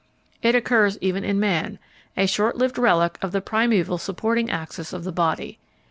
It occurs even in man, a short lived relic of the primeval supporting axis of the body.